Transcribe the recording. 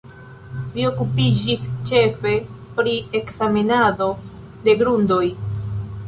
Li okupiĝis ĉefe pri ekzamenado de grundoj.